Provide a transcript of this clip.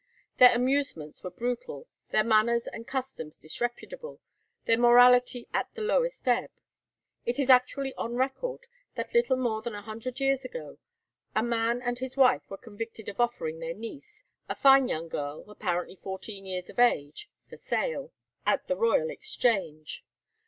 Their amusements were brutal, their manners and customs disreputable, their morality at the lowest ebb. It is actually on record that little more than a hundred years ago a man and his wife were convicted of offering their niece, "a fine young girl, apparently fourteen years of age," for sale [Illustration: WHIPPING AT THE OLD BAILEY.] at the Royal Exchange.